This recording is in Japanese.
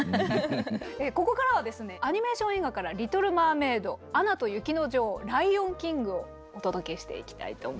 ここからはアニメーション映画から「リトル・マーメイド」「アナと雪の女王」「ライオン・キング」をお届けしていきたいと思います。